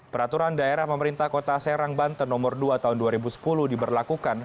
peraturan daerah pemerintah kota serang banten nomor dua tahun dua ribu sepuluh diberlakukan